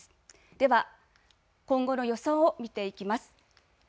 では今後の予想を見ていきます。